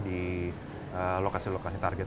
di lokasi lokasi target